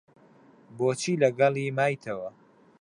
بۆچی لەگەڵی مایتەوە؟